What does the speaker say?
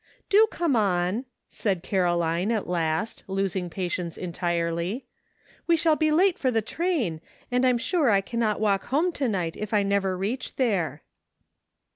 "Do come on!" said Caroline, at last, losing patience entirely ;" we shall be late for the train, and I'm sure I cannot walk home to night if I never reach there.